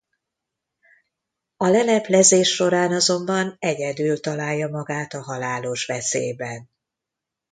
A leleplezés során azonban egyedül találja magát a halálos veszélyben.